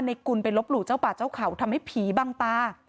กุลไปลบหลู่เจ้าป่าเจ้าเขาทำให้ผีบางตา